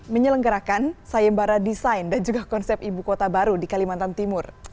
menyelenggarakan sayembara desain dan juga konsep ibu kota baru di kalimantan timur